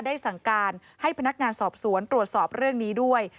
ได้สั่งการให้พนักงานสอบสวนตรวจสอบเรื่องนี้ด้วย